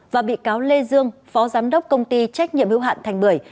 và bị cáo lê dương phó giám đốc công ty trách nhiệm hữu hạn thành bưởi